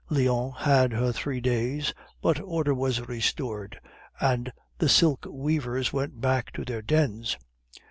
Lyons had her Three Days, but order was restored, and the silk weavers went back to their dens.